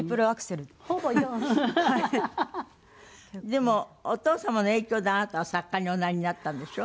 でもお父様の影響であなたは作家におなりになったんでしょ？